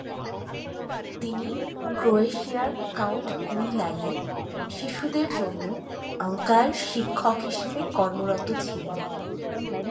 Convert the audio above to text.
তিনি ক্রোয়েশিয়ার কাউন্ট গুইলাইয়ের শিশুদের জন্য আঁকার শিক্ষক হিসেবে কর্মরত ছিলেন।